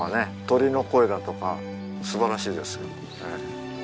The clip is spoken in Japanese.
鳥の声だとか素晴らしいですよ。